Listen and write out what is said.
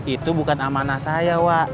itu bukan amanah saya wak